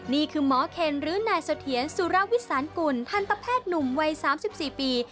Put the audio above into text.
นี่คือหมอเคนหรือนายเสถียรสุรวิสานกุลทันตแพทย์หนุ่มวัย๓๔ปี